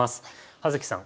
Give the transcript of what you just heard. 葉月さん